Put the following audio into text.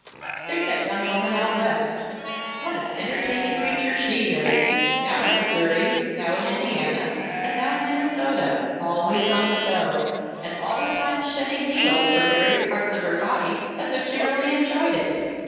There's that young woman out West. What an entertaining creature she is! now in Missouri, now in Indiana, and now in Minnesota, always on the go, and all the time shedding needles from various parts of her body as if she really enjoyed it!